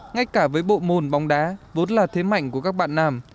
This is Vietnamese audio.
ngay cả với bộ môn bóng đá vốn là thế mạnh của các bạn nam